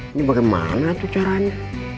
ini bagaimana caranya